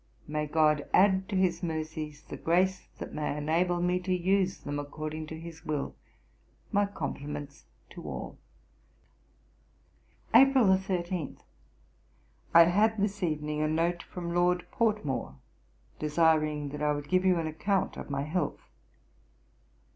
May GOD add to his mercies the grace that may enable me to use them according to his will. My compliments to all.' April 13. 'I had this evening a note from Lord Portmore, desiring that I would give you an account of my health.